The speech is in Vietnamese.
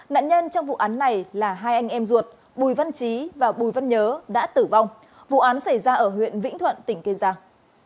nạn nhân trong vụ án này là hai anh em ruột bùi văn trí và bùi văn nhớ đã tử vong vụ án xảy ra ở huyện vĩnh thuận tỉnh kiên giang